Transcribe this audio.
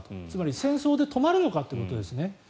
つまり、戦争で止まるのかということですね。